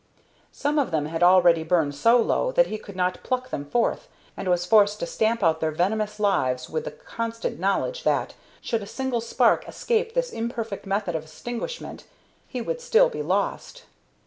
Some of them had already burned so low that he could not pluck them forth, and was forced to stamp out their venomous lives with the constant knowledge that, should a single spark escape this imperfect method of extinguishment, he would still be lost.